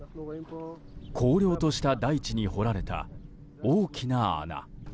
荒涼とした大地に掘られた大きな穴。